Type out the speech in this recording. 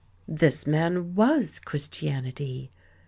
This man was Christianity....